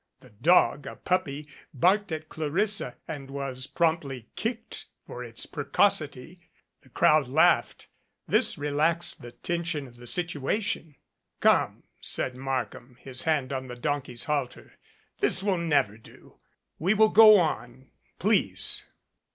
The dog, a puppy, barked at Clarissa and was promptly kicked for its precocity. The crowd laughed. This relaxed the tension of the situation. 187 MADCAP "Come," said Markham, his hand on the donkey's halter. "This will never do. We will go on, please."